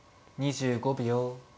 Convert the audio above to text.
２５秒。